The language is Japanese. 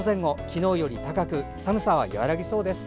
昨日より高く寒さは和らぎそうです。